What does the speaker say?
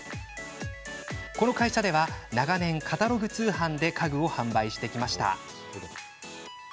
この会社では長年カタログ通販で家具販売を販売してきました。